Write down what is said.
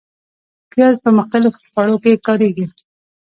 پیاز په مختلفو خوړو کې کارېږي